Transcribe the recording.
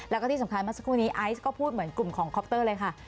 แล้วก็ที่สำคัญเมื่อสักครู่นี้ไอซ์ก็พูดเหมือนกลุ่มของคอปเตอร์เลยค่ะ